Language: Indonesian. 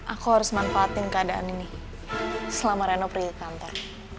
aku harus manfaatin keadaan ini selama reno pergi ke kantor